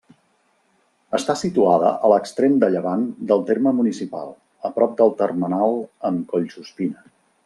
Està situada a l'extrem de llevant del terme municipal, a prop del termenal amb Collsuspina.